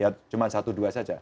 ya cuma satu dua saja